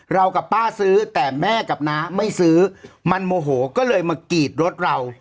กับป้าซื้อแต่แม่กับน้าไม่ซื้อมันโมโหก็เลยมากรีดรถเรา